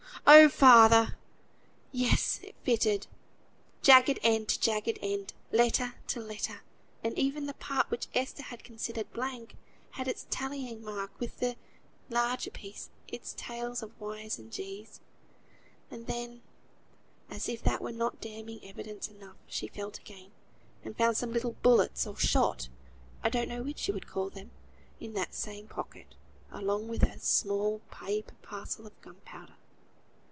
"Oh! Father!" Yes, it fitted; jagged end to jagged end, letter to letter; and even the part which Esther had considered blank had its tallying mark with the larger piece, its tails of _y_s and _g_s. And then, as if that were not damning evidence enough, she felt again, and found some bullets or shot (I don't know which you would call them) in that same pocket, along with a small paper parcel of gunpowder.